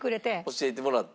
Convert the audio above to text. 教えてもらって。